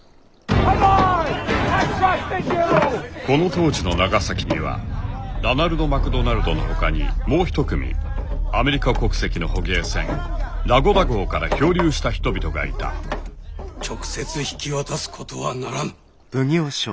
この当時の長崎にはラナルド・マクドナルドのほかにもう一組アメリカ国籍の捕鯨船ラゴダ号から漂流した人々がいた直接引き渡すことはならぬ。